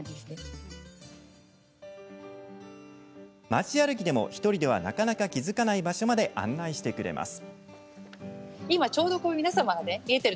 街歩きでも、１人ではなかなか気付かない場所まで案内してくれます。